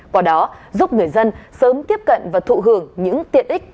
qua đó giúp người dân sớm tiếp cận và thụ hưởng những tiện ích